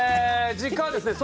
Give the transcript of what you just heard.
実家はですね